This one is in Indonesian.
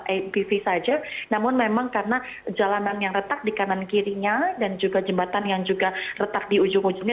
apv saja namun memang karena jalanan yang retak di kanan kirinya dan juga jembatan yang juga retak di ujung ujungnya